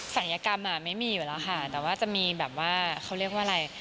ศัยกรรมไม่มีอยู่แล้วค่ะแต่ว่าจะมีแบบว่าเขาเรียกว่าอะไร